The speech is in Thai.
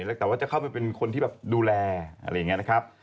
แล้วแต่ว่าจะเข้าไปเป็นคนที่แบบดูแลอะไรอย่างนี้นะครับ